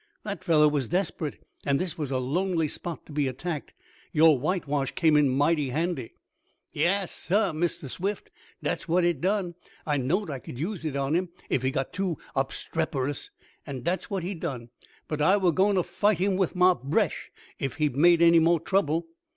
"That fellow was desperate, and this was a lonely spot to be attacked. Your whitewash came in mighty handy." "Yais, sah, Mistah Swift, dat's what it done. I knowed I could use it on him, ef he got too obstreperous, an' dat's what he done. But I were goin' to fight him wif mah bresh, ef he'd made any more trouble."